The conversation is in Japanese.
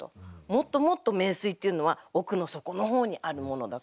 もっともっと名水っていうのは奥の底の方にあるものだ。